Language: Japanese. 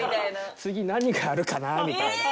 次何があるかなみたいな。